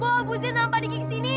bawa bu zin sama padikik ke sini